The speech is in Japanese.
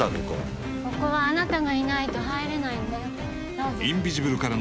ここはあなたがいないと入れないんだよ